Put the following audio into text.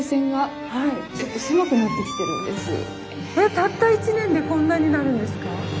たった１年でこんなになるんですか？